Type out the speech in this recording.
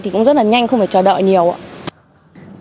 thì cũng rất là nhanh không phải chờ đợi nhiều ạ